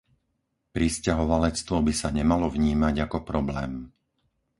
Prisťahovalectvo by sa nemalo vnímať ako problém.